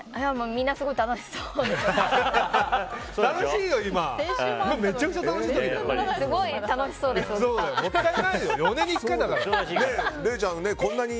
みんな、すごい楽しそうに。